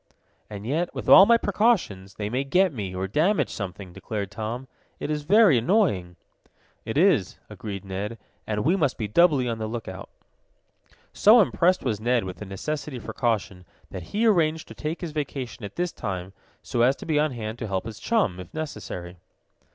"And yet, with all my precautions, they may get me, or damage something," declared Tom. "It is very annoying!" "It is," agreed Ned, "and we must be doubly on the lookout." So impressed was Ned with the necessity for caution that he arranged to take his vacation at this time, so as to be on hand to help his chum, if necessary.